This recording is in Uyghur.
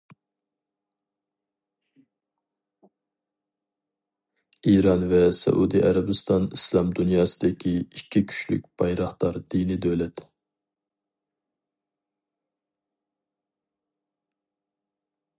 ئىران ۋە سەئۇدى ئەرەبىستان ئىسلام دۇنياسىدىكى ئىككى كۈچلۈك بايراقدار دىنى دۆلەت.